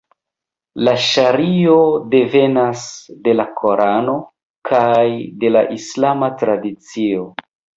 La ŝario devenas de la Korano kaj de la islama tradicio.